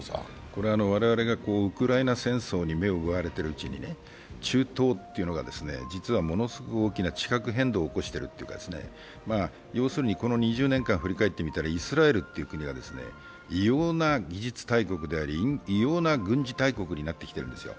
これ、我々がウクライナ戦争に目を奪われているうちに中東というのが実はものすごく大きな地殻変動を起こしてるというか、要するにこの２０年間振り返ってみたらイスラエルという国は異様な技術大国であり、異様な軍事大国になってきているんですよ。